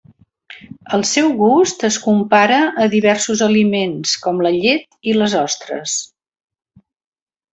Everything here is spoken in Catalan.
El seu gust es compara a diversos aliments com la llet i les ostres.